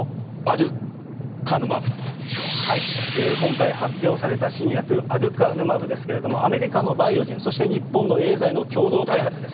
さあ、今回発表された新薬、アデュカヌマブですけれども、アメリカのバイオジェン、そして日本のエーザイの共同開発です。